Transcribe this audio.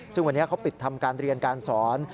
ซึ่งวันนี้เขาปิดทำการเรียนการสอน